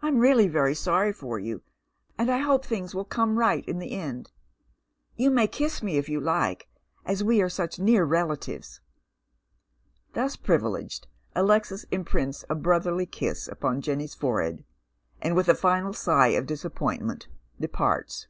I'm really very sorry for you, and I hope things will come right in the end. You may kiss me if you like, as we are such near relatives." Thus privileged, Alexis imprints a brotherly kiss upon Jane's forehead, and with a final sigh of disappointment departs.